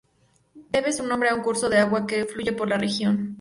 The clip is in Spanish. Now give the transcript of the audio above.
Debe su nombre a un curso de agua que fluye por la región.